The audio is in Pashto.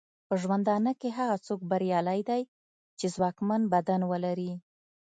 په ژوندانه کې هغه څوک بریالی دی چې ځواکمن بدن لري.